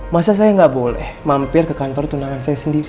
masa saya nggak boleh mampir ke kantor tunangan saya sendiri